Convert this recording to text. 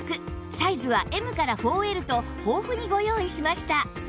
サイズは Ｍ から ４Ｌ と豊富にご用意しました